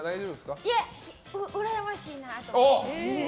いえ、うらやましいなと思って。